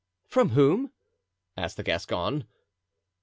"From whom?" asked the Gascon.